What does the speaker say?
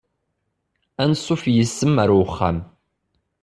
Ansuf yes-m ar uxxam.